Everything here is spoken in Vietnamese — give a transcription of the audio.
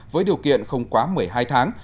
với điều kiện không quá một mươi hai tháng